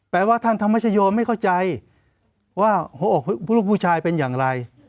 ว่าท่านธรรมชโยไม่เข้าใจว่าหัวอกลูกผู้ชายเป็นอย่างไร